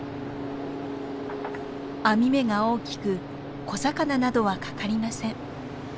網目が大きく小魚などは掛かりません。